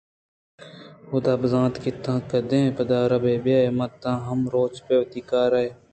حُدا بزانت کہ تاں کدیں تو پدّر بہ بئے ءُمن تاں ہما روچ ءَ پہ وتی کارے